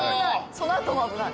そのあとも危ない。